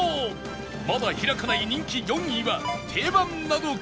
まだ開かない人気４位は定番なのか？